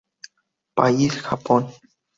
País: Japón.